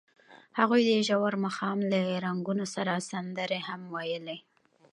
هغوی د ژور ماښام له رنګونو سره سندرې هم ویلې.